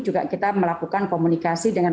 juga kita melakukan komunikasi dengan